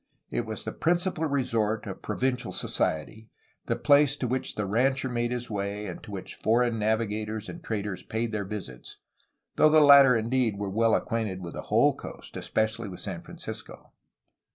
It was the principal resort of provincial society, the place to which the rancher made his way and to which foreign navigators and traders paid their visits, — though the latter, indeed, were well acquainted with the whole coast, especially with San Francisco.